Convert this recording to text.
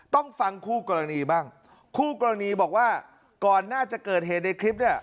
ต้องฟังคู่กรณีบ้างคู่กรณีบอกว่าก่อนหน้าจะเกิดเหตุในคลิปเนี่ย